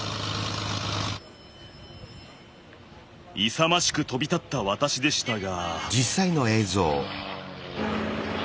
勇ましく飛び立った私でしたが。